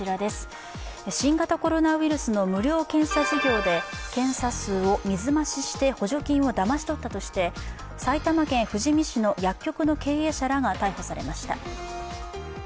新型コロナウイルスの無料検査事業で検査数を水増しして補助金をだまし取ったとして埼玉県富士見市の薬局の経営者らが逮捕されました。